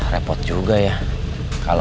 repot juga ya kalau